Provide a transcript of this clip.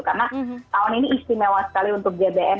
karena tahun ini istimewa sekali untuk jbn